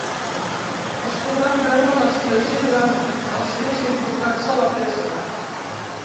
Es podran veure a l’església durant els dies importants de la festa.